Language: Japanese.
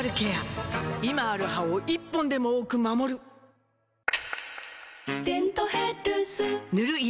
今ある歯を１本でも多く守る「デントヘルス」塗る医薬品も